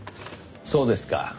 そうですか。